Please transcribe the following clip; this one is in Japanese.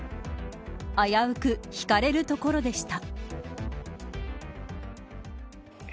危うくひかれるところでした。